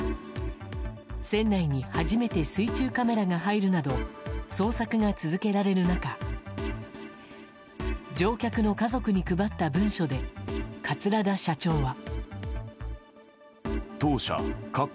船内に初めて水中カメラが入るなど捜索が続けられる中乗客の家族に配った文書で桂田社長は。